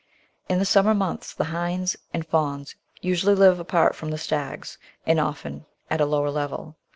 In the summer months the hinds and fawns usually live apart from the stags, and often at a lower level.